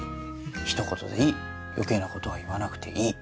一言でいい余計なことは言わなくていい。